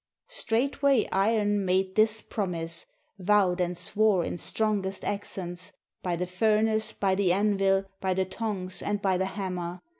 Straightway Iron made this promise. Vowed and swore in strongest accents, RUSSIA By the furnace, by the anvil, By the tongs, and by the hammer.